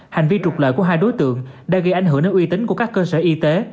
hành vi trục lợi của hai đối tượng đã gây ảnh hưởng đến uy tín của các cơ sở y tế